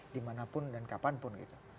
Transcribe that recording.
dimanapun dan kapanpun